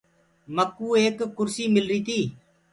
مڪوُ ايڪ ڪُرسي ملري تي۔